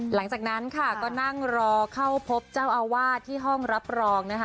หลังจากนั้นค่ะก็นั่งรอเข้าพบเจ้าอาวาสที่ห้องรับรองนะคะ